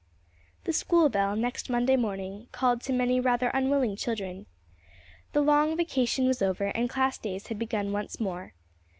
The school bell, next Monday morning, called to many rather unwilling children. The long vacation was over and class days had begun once more.